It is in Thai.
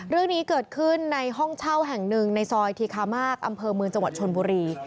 เรื่องนี้เกิดขึ้นในห้องเช่าแห่งหนึ่งในซอยธีคามากอำเภอเมืองจังหวัดชนบุรี